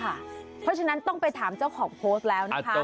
เพราะฉะนั้นต้องไปถามเจ้าของโพสต์แล้วนะคะ